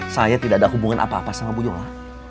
saya tidak ada hubungan apa apa sama bu nyoman